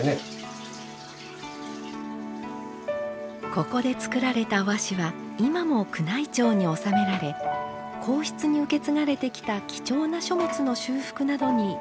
ここで作られた和紙は今も宮内庁に納められ皇室に受け継がれてきた貴重な書物の修復などに使われています。